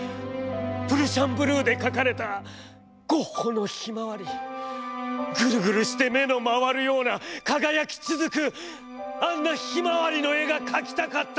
プルシャンブルーで描かれたゴッホのひまわりグルグルして目の廻るような輝きつづくあんなひまわりの絵が描きたかったのです。